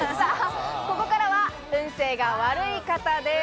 ここからは運勢が悪い方です。